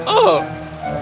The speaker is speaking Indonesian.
oh sungai yang